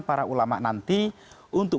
para ulama nanti untuk